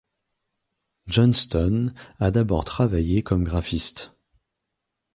Johnston a d'abord travaillé comme graphiste.